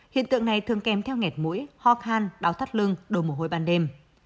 hiện tượng này thường kèm theo nghẹt mũi ho khăn đau thắt lưng đồ mồ hôi ban đêm